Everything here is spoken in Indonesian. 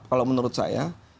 kalau menurut saya